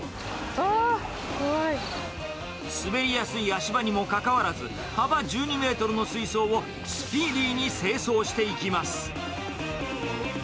滑りやすい足場にもかかわらず、幅１２メートルの水槽をスピーディーに清掃していきます。